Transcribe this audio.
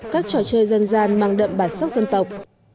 các trò chơi dân gian mang đậm bản sắc dân tộc